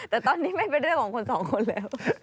แต่ตอนนี้ไม่เป็นเรื่องของคนสองคนแล้ว